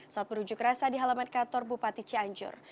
saat berunjuk rasa di halaman kantor bupati cianjur